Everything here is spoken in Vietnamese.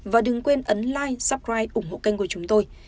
và đừng quên ấn like subscribe ủng hộ kênh của chúng tôi